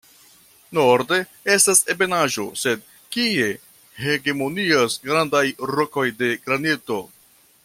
Norde estas ebenaĵo sed kie hegemonias grandaj rokoj de granito.